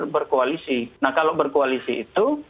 berkoalisi nah kalau berkoalisi itu